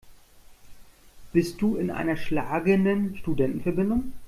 Bist du in einer schlagenden Studentenverbindung?